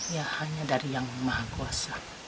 ya hanya dari yang maha kuasa